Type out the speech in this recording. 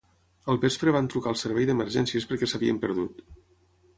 Al vespre van trucar al servei d’emergències perquè s’havien perdut.